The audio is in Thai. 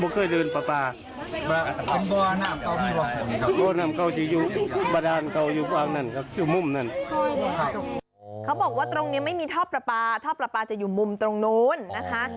เขาบอกว่าตรงนี้ไม่มีท่อปลาปลาท่อปลาปลาจะอยู่มุมตรงนู้นนะคะ